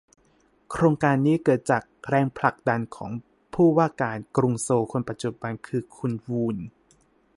โครงการนี้เกิดจากแรงผลักดันของผู้ว่าการกรุงโซลคนปัจจุบันคือคุณวูน